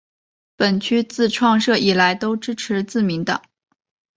本区自创设以来都支持自民党。